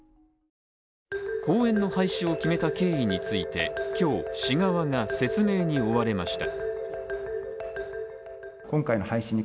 公園の廃止を決めた経緯について今日、市側が説明に追われました。